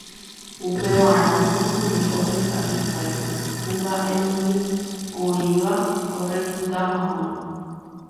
upevarã niko kuri oheka hikuái kuimba'emimi oĩva orecluta hag̃ua